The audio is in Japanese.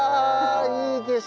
いい景色。